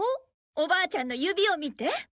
おばあちゃんの指を見て。